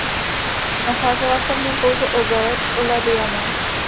Nacházela se v něm pouze obec Le Diamant.